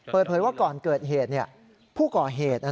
เปิดเผยว่าก่อนเกิดเหตุผู้ก่อเหตุ